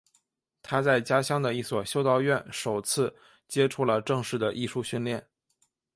他在家乡的一所修道院首次接触了正式的艺术训练。